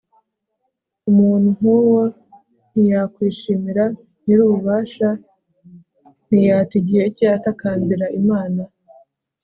umuntu nk'uwo ntiyakwishimira nyirububasha, ntiyata igihe cye atakambira imana